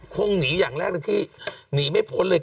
คงหนีอย่างแรกเลยที่หนีไม่พ้นเลย